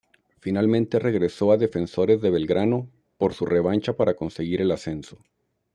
Finalmente regresó a Defensores de Belgrano por su revancha para conseguir el ascenso.